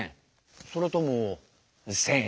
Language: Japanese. それとも１，０００円？